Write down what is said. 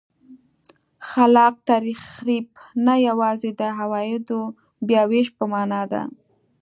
خلاق تخریب نه یوازې د عوایدو بیا وېش په معنا ده.